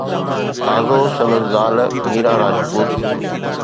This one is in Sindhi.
تازو سندس زال ميرا راجپوت